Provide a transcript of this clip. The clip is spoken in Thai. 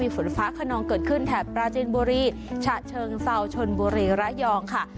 ฝนฟ้าขนองเกิดขึ้นแถบปราจินบุรีฉะเชิงเซาชนบุรีระยองค่ะ